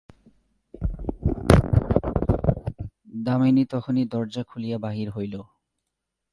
দামিনী তখনই দরজা খুলিয়া বাহির হইল।